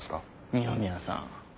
二宮さん。